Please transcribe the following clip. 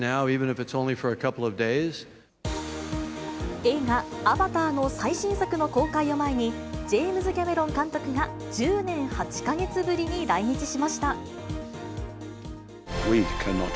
映画、アバターの最新作の公開を前に、ジェームズ・キャメロン監督が、１０年８か月ぶりに来日しました。